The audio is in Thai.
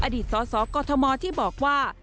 อดีตสสกมที่บอกว่า